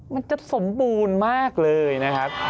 มันจะสมบูรณ์มากเลยนะครับ